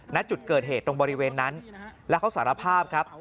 ณจุดเกิดเหตุตรงบริเวณนั้นแล้วเขาสารภาพครับ